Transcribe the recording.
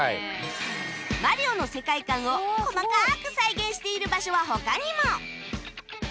『マリオ』の世界観を細かく再現している場所は他にも